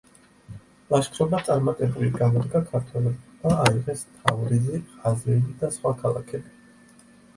ლაშქრობა წარმატებული გამოდგა ქართველებმა აიღეს თავრიზი, ყაზვინი და სხვა ქალაქები.